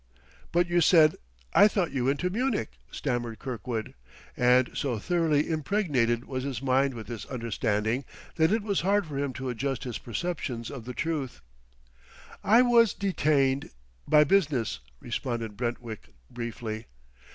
"But you said I thought you went to Munich," stammered Kirkwood; and so thoroughly impregnated was his mind with this understanding that it was hard for him to adjust his perceptions to the truth. "I was detained by business," responded Brentwick briefly.